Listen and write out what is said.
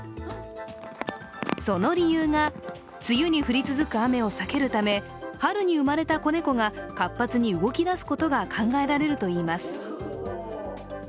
その理由が、梅雨に降り続く雨を避けるため春に生まれた子猫が活発に動き出すことが考えられるといいます。